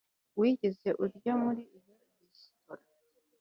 Wigeze urya muri iyo resitora